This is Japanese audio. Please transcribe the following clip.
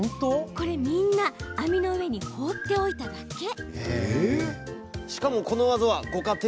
これ、みんな網の上に放っておいただけ。